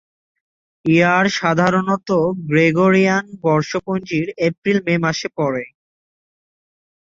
ইয়ার সাধারণত গ্রেগরিয়ান বর্ষপঞ্জির এপ্রিল-মে মাসে পড়ে।